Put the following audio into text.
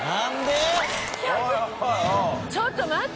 ちょっと待って。